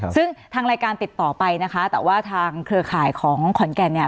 ซึ่งทางรายการติดต่อไปนะคะแต่ว่าทางเครือข่ายของขอนแก่นเนี่ย